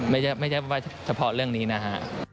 ไม่ใช่ว่าเฉพาะเรื่องนี้นะฮะ